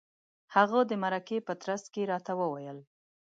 هغه د مرکې په ترڅ کې راته وویل.